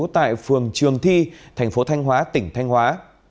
tại phường trường thi thành phố thanh hóa tỉnh thanh hóa